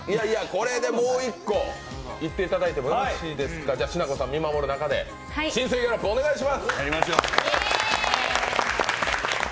これでもう一個いっていただいてもよろしいでしょうか、しなこさんが見守る中で新星ギャロップ、お願いします。